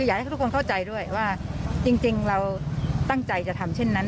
อยากให้ทุกคนเข้าใจด้วยว่าจริงเราตั้งใจจะทำเช่นนั้น